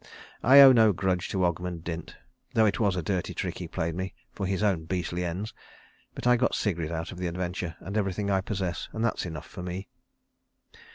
I owe no grudge to Ogmund Dint, though it was a dirty trick he played me for his own beastly ends. But I got Sigrid out of the adventure and everything I possess, and that's enough for me."